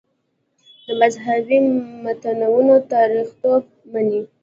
د مذهبي متنونو تاریخیتوب مني.